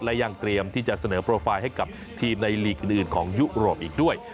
และยังเตรียมที่จะเสนอโปรไฟล์ให้กับทีมในลีกอื่นของยุโรปอีกด้วย